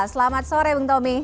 selamat sore bang tommy